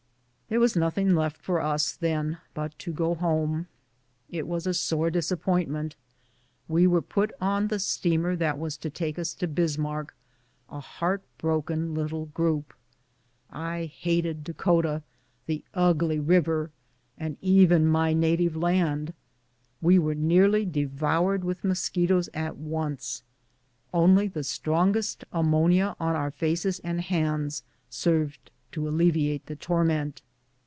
There was nothing left for us, then, but to go home. It was a sore disappointment. We were put on the steamer that was to take us to Bismarck, a heart broken little group. I hated Dakota, the ugly river, and even my native land. We were nearly devoured with mos quitoes at once. Only the strongest ammonia on our faces and hands served to alleviate the torment.